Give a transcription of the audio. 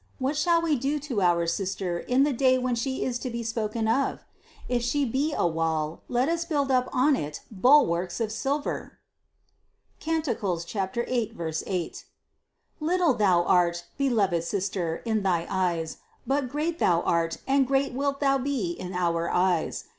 What shall we do to our sister in the day when she is to be spoken to? If she be a wall, let us build up on it bulwarks of silver" (Cant 8, 8). Little thou art, be loved sister, in thy eyes, but great art thou and great wilt thou be in our eyes.